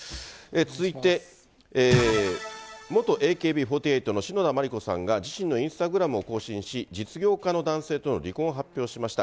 続いて、元ＡＫＢ４８の篠田麻里子さんが自身のインスタグラムを更新し、実業家の男性との離婚を発表しました。